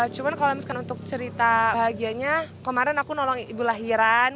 cuma kalau misalkan untuk cerita bahagianya kemarin aku nolong ibu lahiran